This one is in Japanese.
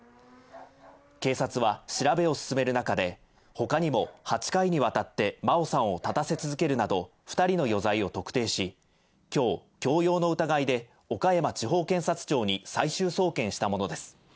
警察は、調べを進める中で、ほかにも８回にわたって真愛さんを立たせ続けるなど、２人の余罪を特定し、きょう、強要の疑いで岡山地方検察庁に最終送検したものです。